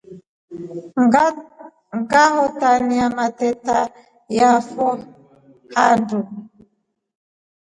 Ngahotania mateta yafo handu.